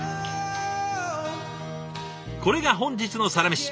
これが本日のサラメシ！